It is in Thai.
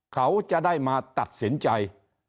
เขาจะได้มาตัดสินใจ